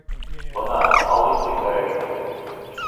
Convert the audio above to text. Бына ал инде кәрәгеңде!